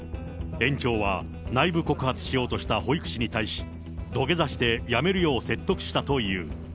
園長は、内部告発しようとした保育士に対し、土下座してやめるよう説得したという。